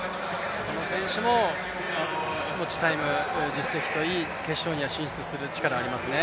この選手も持ちタイム実績と決勝に進出する力ありますね。